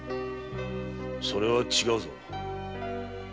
それは違うぞ。